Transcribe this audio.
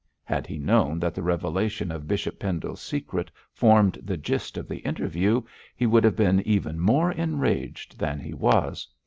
Had he known that the revelation of Bishop Pendle's secret formed the gist of the interview, he would have been even more enraged than he was.